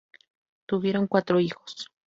Tuvieron cuatro hijos.